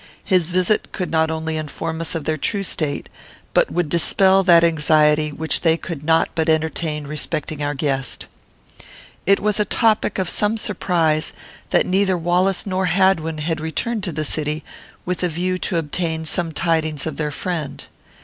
His visit could not only inform us of their true state, but would dispel that anxiety which they could not but entertain respecting our guest. It was a topic of some surprise that neither Wallace nor Hadwin had returned to the city, with a view to obtain some tidings of their friend.